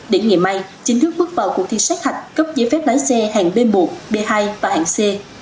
đến ngày mai chính thức bước vào cuộc thi sát hạch cấp giấy phép lái xe hạng b một b hai và hạng c